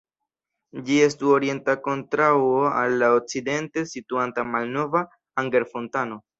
Ĝi estu orienta kontraŭo al la okcidente situanta Malnova Anger-fontano.